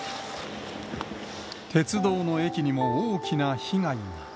鉄道の駅にも大きな被害が。